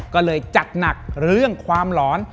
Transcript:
ก็เลยจัดหนักเรื่องความหลอน